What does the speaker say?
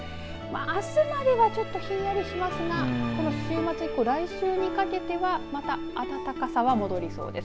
あすまではちょっとひんやりしますがこの週末以降、来週にかけてはまた暖かさは戻りそうです。